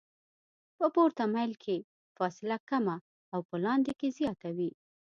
په پورته میل کې فاصله کمه او په لاندې کې زیاته وي